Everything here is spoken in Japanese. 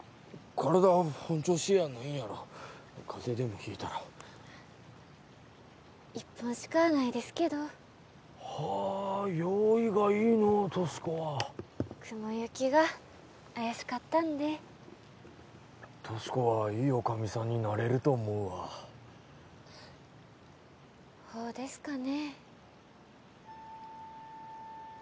体本調子やないんやろ風邪でもひいたら１本しかないですけどはあ用意がいいのう俊子は雲行きが怪しかったんで俊子はいいおかみさんになれると思うわほうですかね